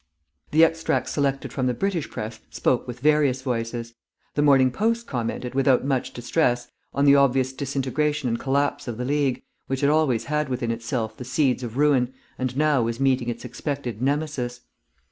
The extracts selected from the British press spoke with various voices. The Morning Post commented, without much distress, on the obvious disintegration and collapse of the League, which had always had within itself the seeds of ruin and now was meeting its expected Nemesis.